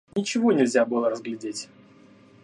Ничего нельзя было разглядеть.